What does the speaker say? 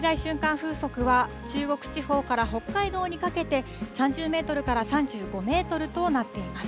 風速は、中国地方から北海道にかけて３０メートルから３５メートルとなっています。